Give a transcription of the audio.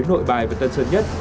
nội bài và tân sơn nhất